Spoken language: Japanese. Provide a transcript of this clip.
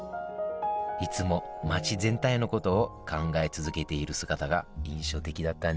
いつも街全体のことを考え続けている姿が印象的だったね